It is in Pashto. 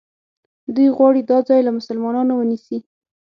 دوی غواړي دا ځای له مسلمانانو ونیسي.